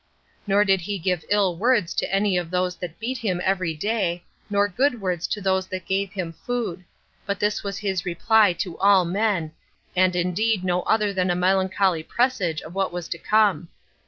Nor did he give ill words to any of those that beat him every day, nor good words to those that gave him food; but this was his reply to all men, and indeed no other than a melancholy presage of what was to come.